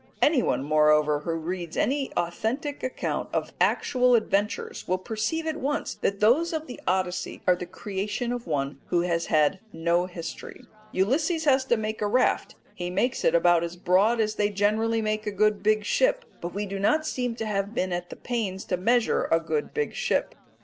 Anyone, moreover, who reads any authentic account of actual adventures will perceive at once that those of the Odyssey are the creation of one who has had no history. Ulysses has to make a raft; he makes it about as broad as they generally make a good big ship, but we do not seem to have been at the pains to measure a good big ship.